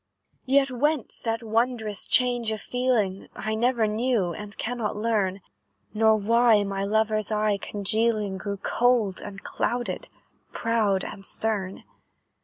"Yet whence that wondrous change of feeling, I never knew, and cannot learn; Nor why my lover's eye, congealing, Grew cold and clouded, proud and stern.